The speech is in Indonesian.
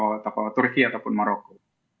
biasanya ke toko turki ataupun maroko